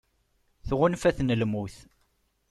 Tɣunfa-ten lmut.